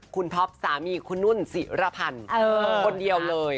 คุณท็อปสามีคุณนุ่นศิรพันธ์คนเดียวเลย